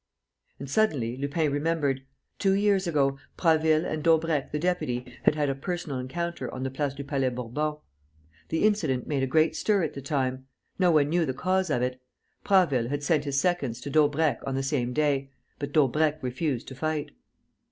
And, suddenly, Lupin remembered: two years ago, Prasville and Daubrecq the deputy had had a personal encounter on the Place du Palais Bourbon. The incident made a great stir at the time. No one knew the cause of it. Prasville had sent his seconds to Daubrecq on the same day; but Daubrecq refused to fight.